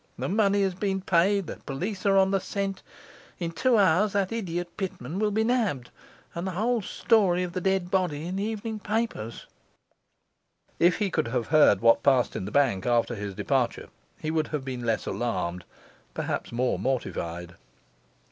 The money has been paid; the police are on the scent; in two hours that idiot Pitman will be nabbed and the whole story of the dead body in the evening papers.' If he could have heard what passed in the bank after his departure he would have been less alarmed, perhaps more mortified.